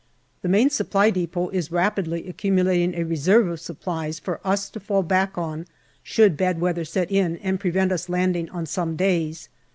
The Main Supply depot is rapidly accumulating a reserve of supplies for us to fall back on should bad weather set in and prevent us landing on some days.